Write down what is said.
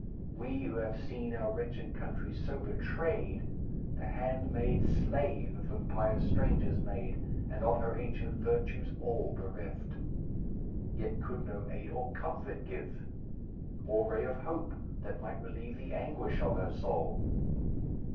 We, who have seen Our wretched country so betrayed, The handmaid, slave of impious strangers made, And of her ancient virtues all bereft; Yet could no aid or comfort give. Or ray of hope, that might relieve The anguish of her soul.